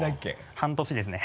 半年ですね。